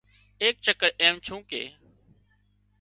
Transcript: ايڪ چڪر ايم ڇُون ڪي